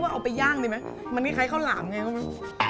คือเอาไปย่างดิมั้ยมันคล้ายข้าวหล่ำไงเนอะมั้ย